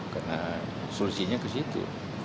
karena solusinya ke situ